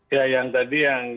ya yang tadi yang